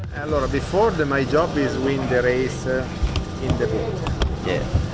sebelumnya pekerjaan saya adalah menang perang di perang